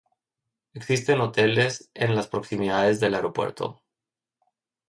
Existen hoteles en las proximidades del aeropuerto.